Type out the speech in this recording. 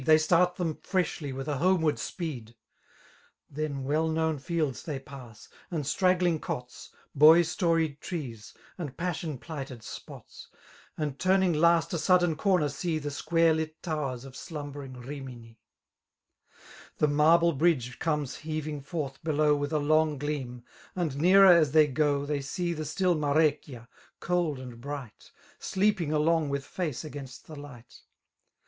They start them freshly with a homeward speed* llien well known fields they pass, and stra^ling' COtSy Boy storied trees, and passion plighted spots; And turning last a sudden corner, see The square lit towers of slumbering Rimini. The marble bridge comes heaving forth below With a long gleam; and nearer aA they go» 89 They see the still Marecchia, cold and bright. Sleeping along with face against the light.